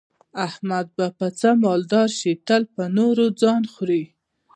احمد به په څه مالدار شي، تل په نورو ځان خوري.